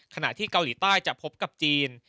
ขณะที่เกาหลีใต้จะพบกับจีน